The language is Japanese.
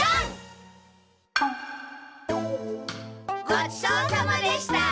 ごちそうさまでした！